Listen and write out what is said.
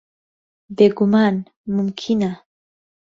بێگومان، مومکینە.